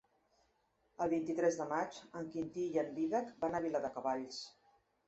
El vint-i-tres de maig en Quintí i en Dídac van a Viladecavalls.